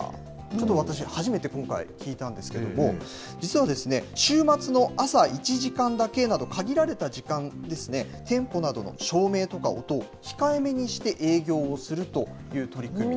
ちょっと私、初めて今回、聞いたんですけれども、実はですね、週末の朝１時間だけなど、限られた時間ですね、店舗などの照明とか音を控えめにして営業をするという取り組み。